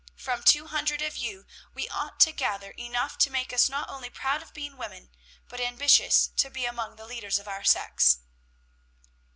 From two hundred of you, we ought to gather enough to make us not only proud of being women, but ambitious to be among the leaders of our sex."